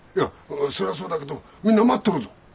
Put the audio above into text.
そりゃそうだけどみんな待っとるぞ。